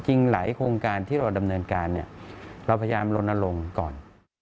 จริงหลายโครงการที่เราดำเนินการเนี่ยเราพยายามลนลงก่อน